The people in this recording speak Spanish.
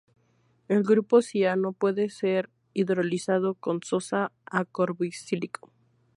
El grupo ciano puede ser hidrolizado con sosa a carboxílico.